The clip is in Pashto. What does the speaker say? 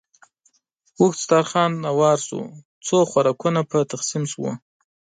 اوږد دسترخوان هوار شو، څو خوراکونه پرې تقسیم شول.